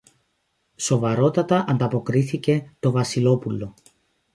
Σοβαρότατα, αποκρίθηκε το Βασιλόπουλο.